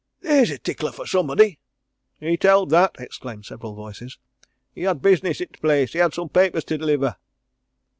theer's a tickler for somebody." "He telled that," exclaimed several voices. "He had business i' t' place. He had some papers to 'liver."